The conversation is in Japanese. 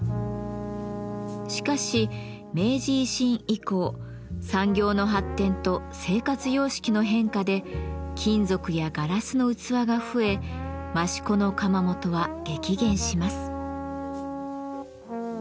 しかし明治維新以降産業の発展と生活様式の変化で金属やガラスの器が増え益子の窯元は激減します。